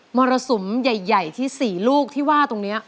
มรสุมใหญ่ที่๔ลูกที่ว่าตรงนี้